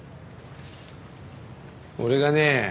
俺がね